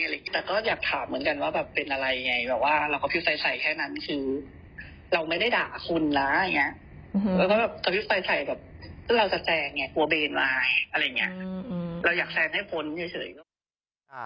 เราอยากแซงให้คนเยอะ